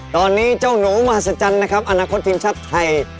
ตอนนี้เจ้าหนูมหัศจรรย์อนาคตทีมช่าพไทย